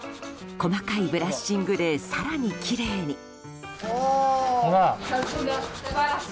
細かいブラッシングで更にきれいに。